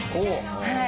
はい。